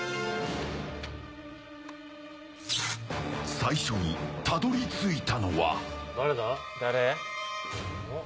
最初にたどり着いたのは。